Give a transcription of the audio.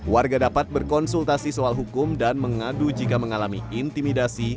warga dapat berkonsultasi soal hukum dan mengadu jika mengalami intimidasi